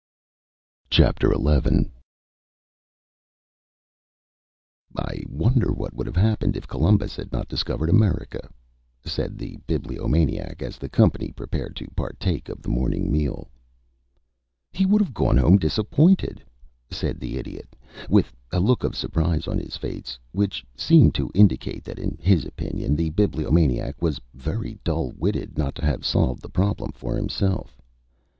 XI "I wonder what would have happened if Columbus had not discovered America?" said the Bibliomaniac, as the company prepared to partake of the morning meal. "He would have gone home disappointed," said the Idiot, with a look of surprise on his face, which seemed to indicate that in his opinion the Bibliomaniac was very dull witted not to have solved the problem for himself.